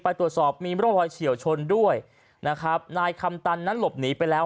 ไปตรวจสอบมีร่องรอยเฉียวชนด้วยนะครับนายคำตันนั้นหลบหนีไปแล้ว